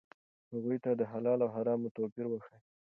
هغوی ته د حلال او حرامو توپیر وښایئ.